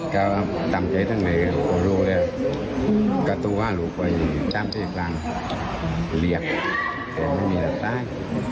ก็อีกอย่างแต่ว่าไม่มีใครรับได้